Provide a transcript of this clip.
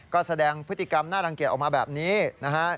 ก็แสดงพฤติกรรมน่ารังเกียจออกมาแบบนี้นะฮะ